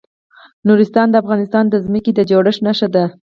نورستان د افغانستان د ځمکې د جوړښت نښه ده.